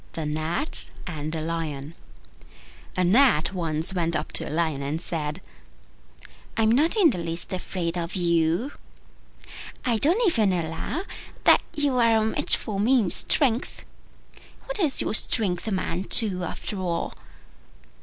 THE GNAT AND THE LION A Gnat once went up to a Lion and said, "I am not in the least afraid of you: I don't even allow that you are a match for me in strength. What does your strength amount to after all?